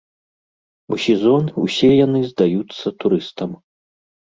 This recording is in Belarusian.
У сезон усе яны здаюцца турыстам.